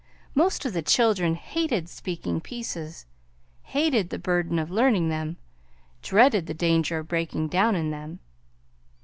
Most of the children hated "speaking pieces;" hated the burden of learning them, dreaded the danger of breaking down in them.